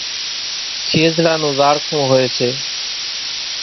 کيزڙا نون زاڙکون هوئيَ سي۔